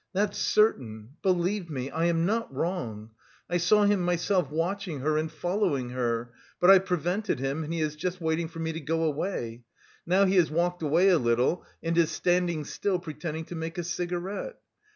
that's certain, believe me, I am not wrong. I saw him myself watching her and following her, but I prevented him, and he is just waiting for me to go away. Now he has walked away a little, and is standing still, pretending to make a cigarette....